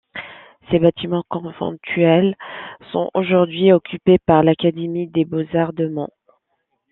Ses bâtiments conventuels sont aujourd'hui occupés par l'Académie des Beaux-Arts de Mons.